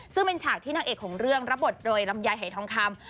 ซึ่งเป็นฉากที่นางเอกของเรื่องรับบทโดยลำไยหายทองคำ